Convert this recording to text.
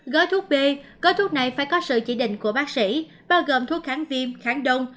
gói thuốc b gói thuốc này phải có sự chỉ định của bác sĩ bao gồm thuốc kháng viêm kháng đông